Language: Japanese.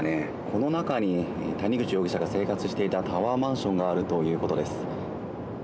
この中に谷口容疑者が生活していたタワーマンションがあるということです。